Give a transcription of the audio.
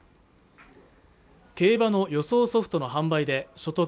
競馬の予想ソフトの販売で所得